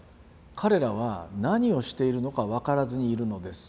彼らは何をしているのかわからずにいるのです」。